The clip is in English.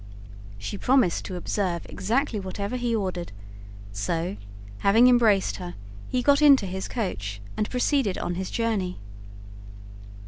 She promised to observe exactly whatever he ordered; so, having embraced her, he got into his coach and proceeded on his journey.